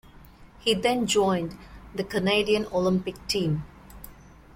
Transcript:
He then joined the Canadian Olympic team.